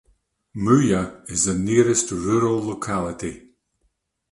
Muya is the nearest rural locality.